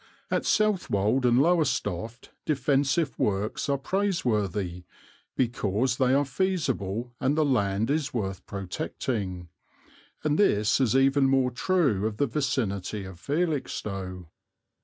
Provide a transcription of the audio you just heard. At Southwold and Lowestoft defensive works are praiseworthy, because they are feasible and the land is worth protecting, and this is even more true of the vicinity of Felixstowe.